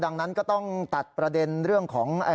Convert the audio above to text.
ดังนั้นก็ต้องตัดประเด็นเรื่องของ